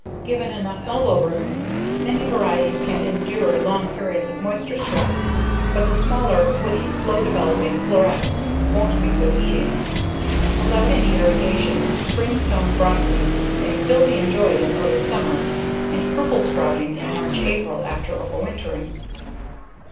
Given enough elbow room, many varieties can endure long periods of moisture stress, but the smaller, woody, slow developing florets won't be great eating. Without any irrigation, spring sown broccoli may still be enjoyed in early summer and Purple Sprouting in March/April after overwintering.